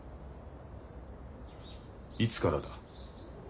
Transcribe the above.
いつからだ？